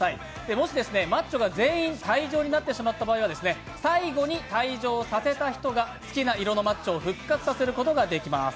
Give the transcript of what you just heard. もし、マッチョが全員退場になってしまった場合には、最後に退場させた人が好きな色のマッチョを復活させることができます。